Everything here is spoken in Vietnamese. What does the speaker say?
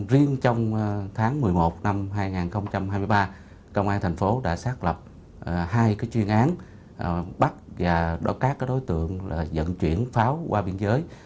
riêng trong tháng một mươi một năm hai nghìn hai mươi ba công an thành phố đã xác lập hai chuyên án bắt và đo các đối tượng dẫn chuyển pháo qua biên giới